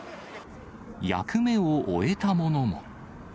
役目を終えたものも。